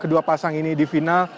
kedua pasang ini di final